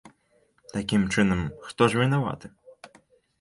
Такім чынам, хто ж вінаваты?